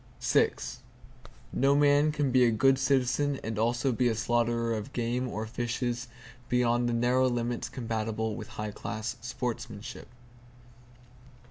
No man can be a good citizen and also be a slaughterer of game or fishes beyond the narrow limits compatible with high class sportsmanship.